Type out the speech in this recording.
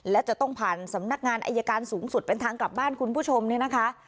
และจะต้องผ่านสำนักงานอายการสูงสุดเป็นทางกลับบ้านคุณผู้ชมเนี่ยนะคะ